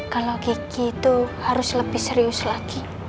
kalau gigi itu harus lebih serius lagi